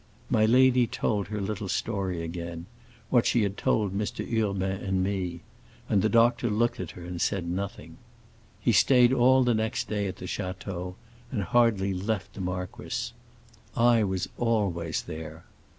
My lady told her little story again—what she had told Mr. Urbain and me—and the doctor looked at her and said nothing. He stayed all the next day at the château, and hardly left the marquis. I was always there.